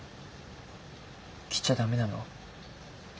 来ちゃ駄目なの？